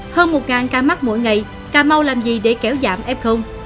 hơn một ca mắc mỗi ngày cà mau làm gì để kéo giảm f